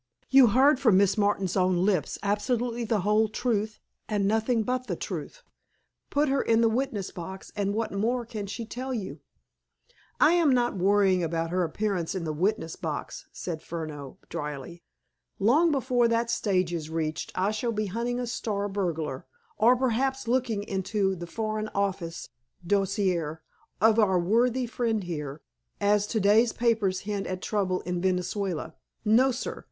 You heard from Miss Martin's own lips absolutely the whole truth, and nothing but the truth. Put her in the witness box, and what more can she tell you?" "I am not worrying about her appearance in the witness box," said Furneaux dryly. "Long before that stage is reached I shall be hunting a star burglar, or, perhaps, looking into the Foreign Office dossier of our worthy friend here, as to day's papers hint at trouble in Venezuela. No, sir.